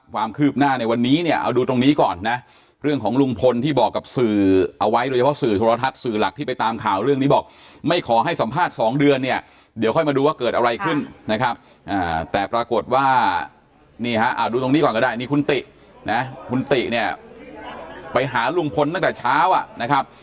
แต่ปรากฏว่านิเอาดูตรงนี้ก่อนก็ได้คุณติ้คุณหี้เนี่ยไปหารุงพลตั้งแต่เช้านะครับ